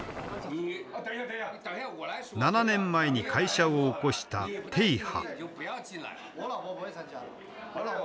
７年前に会社を興した波。